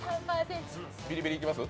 ビリビリいきます？